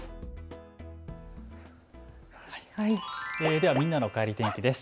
では、みんなのおかえり天気です。